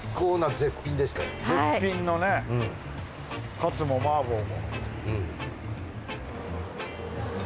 絶品のねかつも麻婆も。